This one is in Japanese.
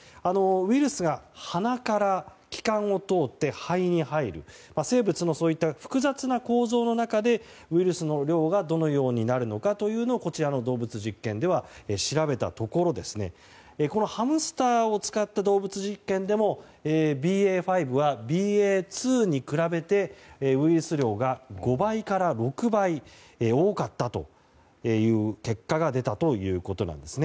ウイルスが鼻から気管を通って肺に入るという生物の複雑な構造の中でウイルスの量がどのようになるかをこちらの動物実験で調べたところハムスターを使った動物実験でもＢＡ．５はＢＡ．２に比べてウイルス量が５倍から６倍多かったという結果が出たということです。